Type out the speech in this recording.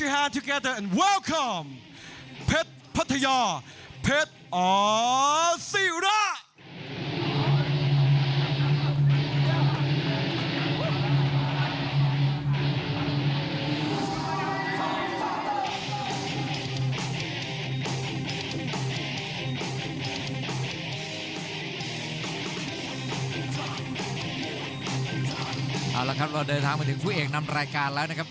เอาละครับเราเดินทางมาถึงคู่เอกนำรายการแล้วนะครับ